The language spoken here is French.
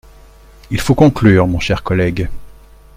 Il faut conclure, mon cher collègue.